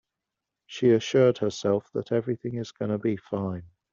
She assured herself that everything is gonna be fine.